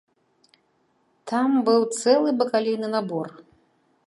Там быў цэлы бакалейны набор.